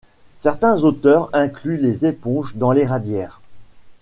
Certains auteurs incluent les éponges dans les radiaires.